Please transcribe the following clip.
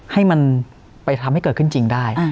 ให้มันไปทำให้เกิดขึ้นจริงได้